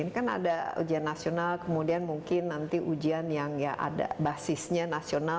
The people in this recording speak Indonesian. ini kan ada ujian nasional kemudian mungkin nanti ujian yang ya ada basisnya nasional